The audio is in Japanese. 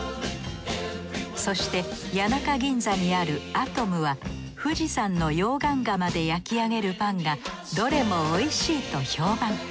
そして谷中ぎんざにある明富夢は富士山の溶岩窯で焼き上げるパンがどれもおいしいと評判。